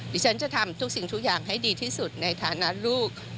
ฉันจะทำทุกสิ่งทุกอย่างให้ดีที่สุดในฐานะลูก